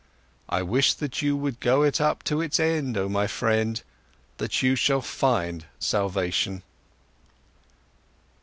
I wish that you would go it up to its end, oh my friend, that you shall find salvation!"